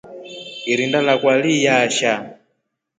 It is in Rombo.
Irinda lakwa liyasha.